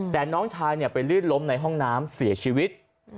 แต่น้องชายไปลื่นล้มในห้องน้ำเสียชีวิต